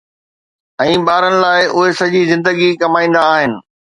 ۽ ٻارن لاءِ اهي سڄي زندگي ڪمائيندا آهن